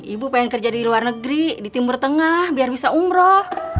ibu pengen kerja di luar negeri di timur tengah biar bisa umroh